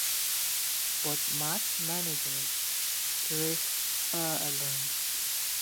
But Matt manages to raise her alone.